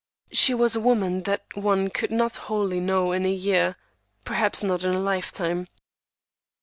She was a woman that one could not wholly know in a year, perhaps not in a lifetime.